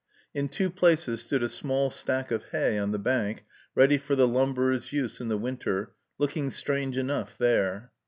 In two places stood a small stack of hay on the bank, ready for the lumberer's use in the winter, looking strange enough there.